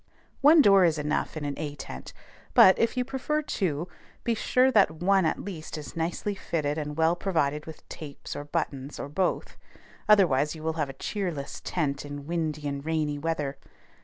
One door is enough in an A tent; but, if you prefer two, be sure that one at least is nicely fitted and well provided with tapes or buttons, or both: otherwise you will have a cheerless tent in windy and rainy weather.